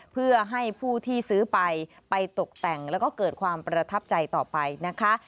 เพื่อให้ผู้ที่ซื้อไปไปตกแต่งแล้วก็เกิดความประทับใจต่อไปนะคะ